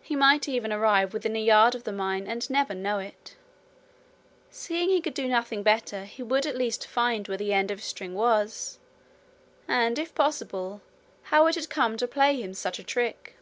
He might even arrive within a yard of the mine and never know it. Seeing he could do nothing better he would at least find where the end of his string was, and, if possible, how it had come to play him such a trick.